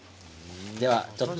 では、ちょっと。